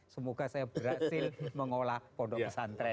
semoga saya berhasil mengolah pondok pesantren tubuh ireng